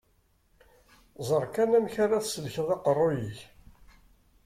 Ẓer kan amek ara tesselkeḍ aqqerruy-ik.